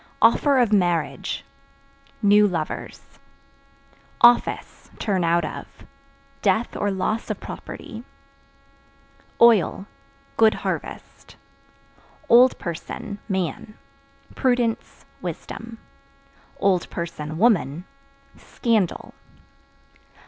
Offer of Marriage New lovers. Office (Turn out of) death or loss of property. Oil Good harvest. Old Person (Man) prudence, wisdom; (woman) scandal.